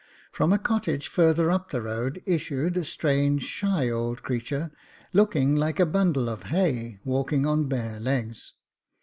From a cottage farther up the road issued a strange, shy old creature, looking like a bundle of hay, walking on bare legs.